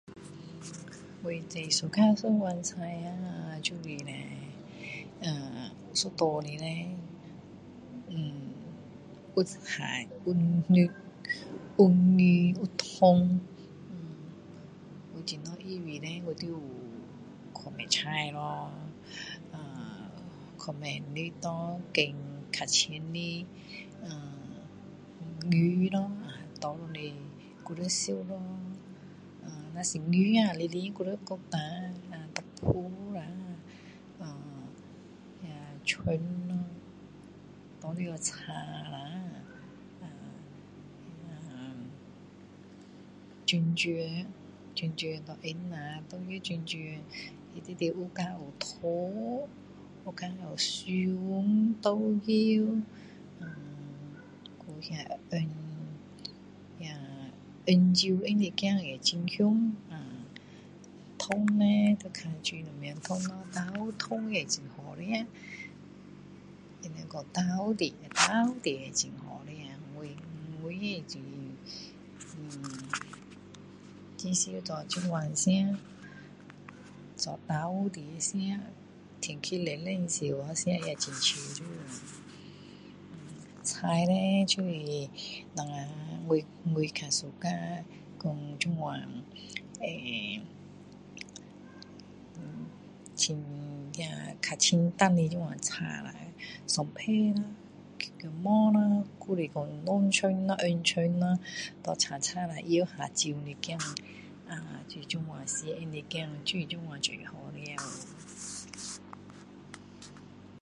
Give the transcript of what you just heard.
我最喜欢一碗菜就是叻一顿的叻呃有虾有肉有鱼有汤我怎样预备叻我要有去买菜咯呃去买肉咯选较新鲜的呃鱼咯拿回来还要收拾呃如果是鱼呀鳞鳞还要去掉下拿来炸下呃那个葱咯拿进去炒下等下酱酱酱酱拿来放下酱油酱酱里面加有糖有加淀粉酱油呃还有那个红酒放一点也很香汤叻要看煮什么汤咯豆腐汤也很好吃他们说豆腐羹豆腐羹很好吃我我也很呃很常做这样吃做豆腐羹吃天气冷冷时吃也很舒服菜叻就是呃我我较喜欢讲这样呃清呃较清淡的炒下蒜头咯姜母咯还是说小葱红葱咯拿来炒炒下油下少一点呃这是这样盐放一点就是这样煮了吃